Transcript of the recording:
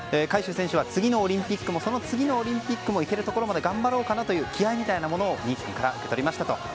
海祝選手は次のオリンピックもその次のオリンピックもいけるところまで頑張ろうかなと気合いみたいなものを兄ちゃんからもらいましたと。